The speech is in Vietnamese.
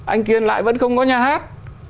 anh kiên lại vẫn không có nhà hát